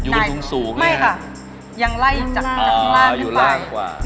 หละยังไล่จากข้างล่างไป